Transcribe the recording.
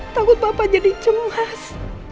takut bapak jadi cemas